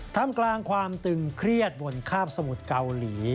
ทำกลางความตึงเครียดบนคาบสมุทรเกาหลี